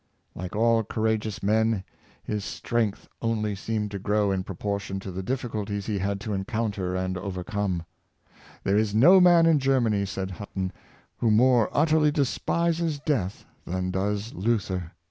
'" Like all courageous men, his strength only seemed to grow in proportion to the difficulties he had to encounter and overcome. '' There is no man in Germany," said Hutten, " who more utterly despises death than does Luther."